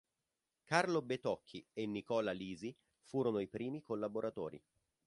Carlo Betocchi e Nicola Lisi furono i primi collaboratori.